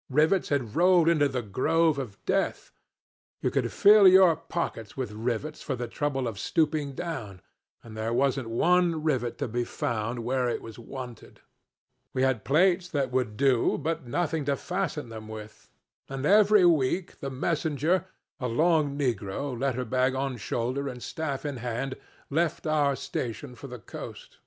Rivets had rolled into the grove of death. You could fill your pockets with rivets for the trouble of stooping down and there wasn't one rivet to be found where it was wanted. We had plates that would do, but nothing to fasten them with. And every week the messenger, a lone negro, letter bag on shoulder and staff in hand, left our station for the coast.